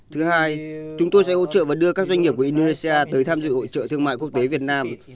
thứ hai chúng tôi sẽ hỗ trợ và đưa các doanh nghiệp của indonesia tới tham dự hội trợ thương mại quốc tế việt nam